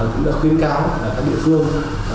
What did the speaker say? cũng đã khuyến cáo các địa phương